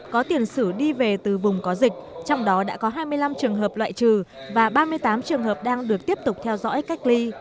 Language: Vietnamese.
có tiền sử đi về từ vùng có dịch trong đó đã có hai mươi năm trường hợp loại trừ và ba mươi tám trường hợp đang được tiếp tục theo dõi cách ly